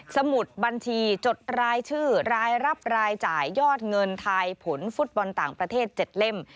สมุดบัญชีจดรายชื่อรายรับรายจ่ายยอดเงินทายผลฟุตบอลต่างประเทศ๗เล่ม